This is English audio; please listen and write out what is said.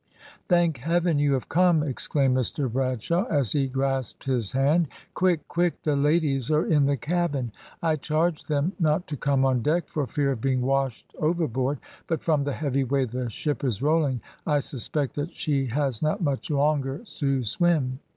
"Thank Heaven you have come!" exclaimed Mr Bradshaw, as he grasped his hand. "Quick! quick! the ladies are in the cabin. I charged them not to come on deck for fear of being washed overboard, but from the heavy way the ship is rolling, I suspect that she has not much longer to swim."